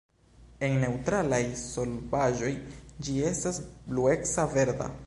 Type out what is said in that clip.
En neŭtralaj solvaĵoj ĝi estas blueca verda.